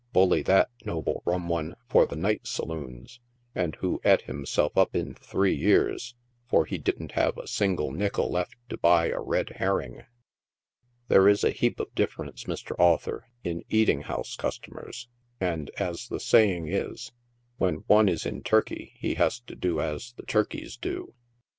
(Bully, that, noble Rum one, for the night sa loons), and who eat himself up in three years, for he didn't have a single nickle left to buy a red herring. There is a heap of difference, Mr. Author, in eating house cus tomers, and as the saying is, " when one is in Turkey, he has to do as the Turkeys do."